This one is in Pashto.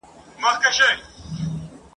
له هغه چي وو له موره زېږېدلی !.